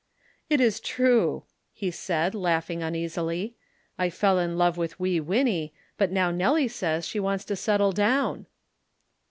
"It is true," he said, laughing uneasily. "I fell in love with Wee Winnie, but now Nelly says she wants to settle down."